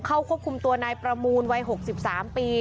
ควบคุมตัวนายประมูลวัย๖๓ปี